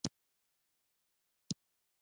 دا اوس څرګنده شوه چې طالب د پښتنو پيداوار نه دی.